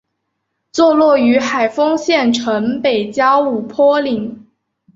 坐落于海丰县城北郊五坡岭。